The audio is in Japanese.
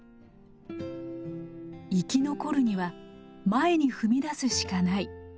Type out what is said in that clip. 「生き残るには前に踏み出すしかない」。